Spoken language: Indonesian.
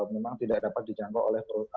memang tidak dapat dijangkau oleh